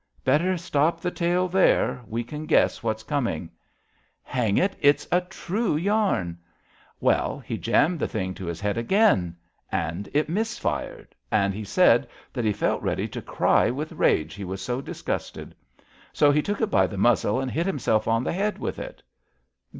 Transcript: Better stop the tale there. We can guess what's coming." Hang it ! It 's a true yam. Well, he jammed the thing to his head again, and it missed fire, and he said that he felt ready to cry with rage, he was so disgusted. So he took it by the muzzle and hit himself on the head with it."